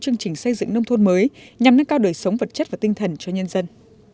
chương trình xây dựng nông thôn mới nhằm nâng cao đời sống vật chất và tinh thần cho nhân dân